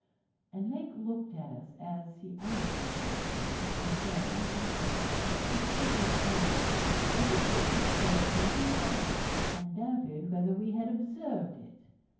And Lake looked at us, as he added these last words, in turn, with a quick, suspicious glance, as if he had said something rash, and doubted whether we had observed it.